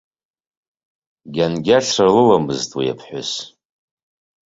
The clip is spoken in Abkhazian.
Гьангьашра лыламызт уи аԥҳәыс.